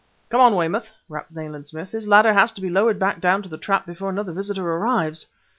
"Come on, Weymouth!" rapped Nayland Smith. "This ladder has to be lowered back down the trap before another visitor arrives!"